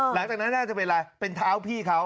หลังจากนั้นน่าจะเป็นอะไรเป็นเท้าพี่เขา